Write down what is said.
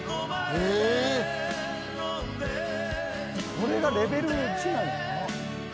これがレベル１なんやな。